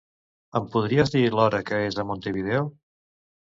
Em podries dir l'hora que és a Montevideo?